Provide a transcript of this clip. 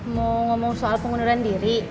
mau ngomong soal pengunduran diri